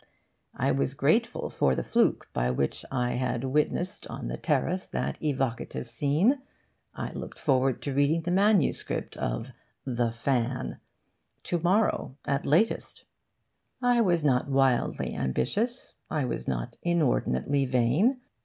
I was grateful for the fluke by which I had witnessed on the terrace that evocative scene. I looked forward to reading the MS. of 'The Fan' to morrow, at latest. I was not wildly ambitious. I was not inordinately vain.